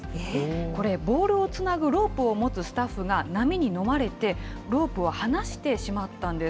これ、ボールをつなぐロープを持つスタッフが、波に飲まれてロープを離してしまったんです。